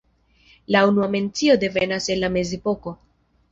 La unua mencio devenas el la mezepoko.